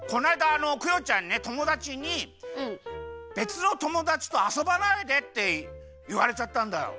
あのクヨちゃんねともだちにべつのともだちとあそばないでっていわれちゃったんだよ。